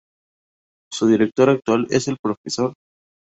Su Director actual es el Prof.